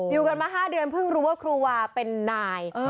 อยู่กันมา๕เดือนเพิ่งรู้ว่าครูวาเป็นนาย